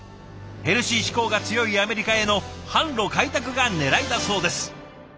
ヘルシー志向が強いアメリカへの販路開拓がねらいだそうです。